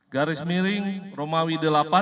garis miring romawi delapan